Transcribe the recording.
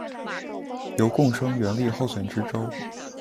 由贡生援例候选知州。